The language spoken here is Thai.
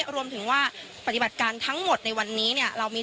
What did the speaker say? รวมถึงว่าปฏิบัติการณ์ทั้งหมดในวันนี้